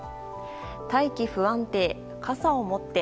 大気不安定、傘を持って。